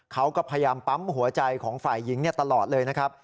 เขาก็พยายามปั๊มหัวใจของฝ่ายหญิงตลอดเลยนะครับ